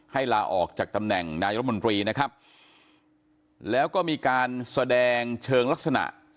ลาออกจากตำแหน่งนายรัฐมนตรีนะครับแล้วก็มีการแสดงเชิงลักษณะ